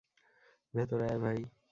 ভেতরে আয়, ভাই!